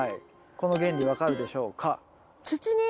この原理分かるでしょうか？